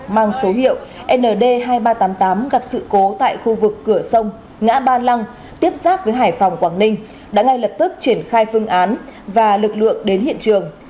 mang số hiệu nd hai nghìn ba trăm tám mươi tám gặp sự cố tại khu vực cửa sông ngã ba lăng tiếp xác với hải phòng quảng ninh đã ngay lập tức triển khai phương án và lực lượng đến hiện trường